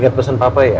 ingat pesan papa ya